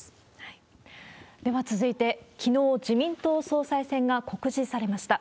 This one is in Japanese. では続いて、きのう自民党総裁選が告示されました。